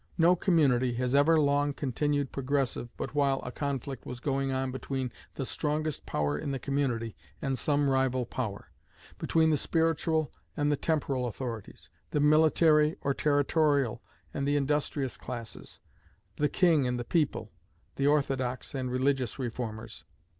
No community has ever long continued progressive but while a conflict was going on between the strongest power in the community and some rival power; between the spiritual and temporal authorities; the military or territorial and the industrious classes; the king and the people; the orthodox and religious reformers.